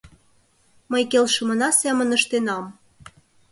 Мый келшымына семын ыштенам.